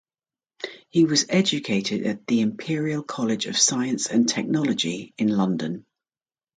He was educated at the Imperial College of Science and Technology in London.